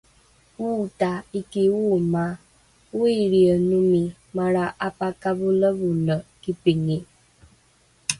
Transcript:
oota iki ooma, 'oilrienomi malra 'apokavolevole kipingi